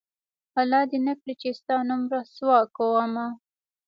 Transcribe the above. الله دې نه کړي چې ستا نوم رسوا کومه